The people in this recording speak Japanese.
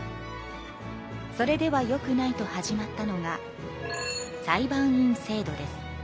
それではよくないと始まったのが裁判員制度です。